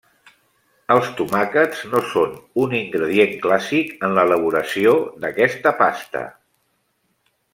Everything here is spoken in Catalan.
Els tomàquets no són un ingredient clàssic en l'elaboració d'aquesta pasta.